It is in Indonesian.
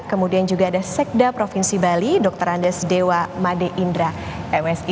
kemudian juga ada sekda provinsi bali dr andes dewa made indra msi